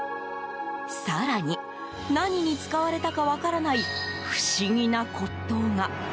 更に、何に使われたか分からない不思議な骨董が。